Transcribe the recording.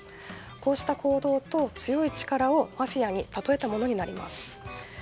こうした行動と強い力をマフィアに例えたものになります。